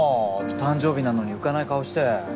誕生日なのに浮かない顔して。